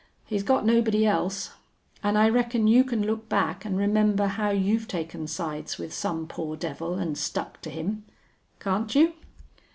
He's got nobody else. An' I reckon you can look back an' remember how you've taken sides with some poor devil an' stuck to him. Can't you?"